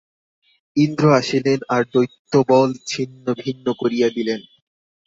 ইন্দ্র আসিলেন, আর দৈত্যবল ছিন্ন-ভিন্ন করিয়া দিলেন।